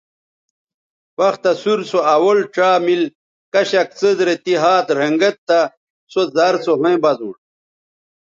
وختہ سور سو اول ڇا مِل چہء کشک څیز رے تی ھات رھنگید تہ سو زر سو ھویں بزونݜ